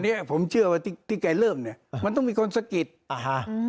เนี้ยผมเชื่อว่าที่ที่แกเริ่มเนี้ยมันต้องมีคนสะกิดอ่าฮะ